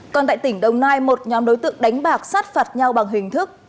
còn tại tỉnh đồng nai một nhóm đối tượng đánh bạc sát phạt nhau bằng hình thức